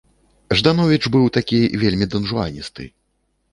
Ждановіч быў такі вельмі донжуаністы.